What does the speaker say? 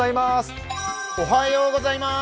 おはようございます。